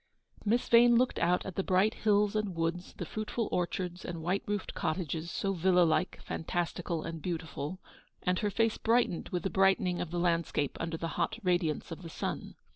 Miss Yane looked out at the bright hills and woods, the fruitful orchards, and white roofed cottages, so villa like, fantastical, and beautiful; 12 Eleanor's victory. and her face brightened with the brightening of the landscape under the hot radiance of the sun.